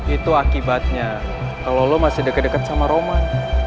itu akibatnya kalau lo masih deket deket sama roman